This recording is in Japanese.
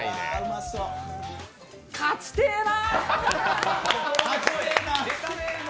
勝ちてぇな！